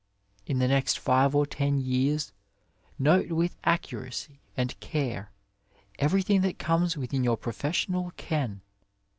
In the next five or ten years note with accuracy and care everything that comes within your professional ken.